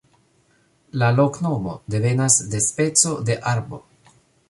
La loknomo devenas de speco de arbo.